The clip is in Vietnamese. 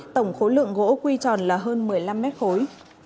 tổng khối lượng gỗ quy tròn là hơn một mươi năm mét khối